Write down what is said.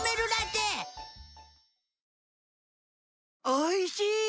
おいしい！